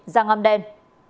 giang âm đen